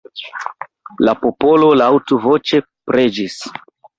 La popolo laŭtvoĉe preĝis.